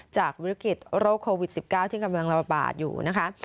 จากวิกฤตโรคโควิด๑๙ที่กำลังระบาดอยู่นะคะ